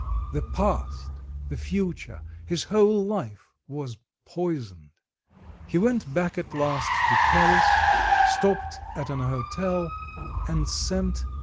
The past, the future, his whole life was poisoned. He went back at last to Paris, stopped at an hotel and sent M.